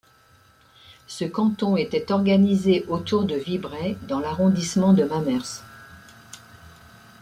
Ce canton était organisé autour de Vibraye dans l'arrondissement de Mamers.